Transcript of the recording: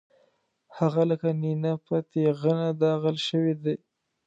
هغه لکه نېنه پر تېغنه داغل شوی دی.